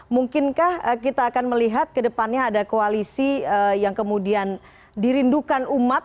mungkinkah kita akan melihat ke depannya ada koalisi yang kemudian dirindukan umat